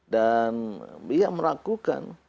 dan iya meragukan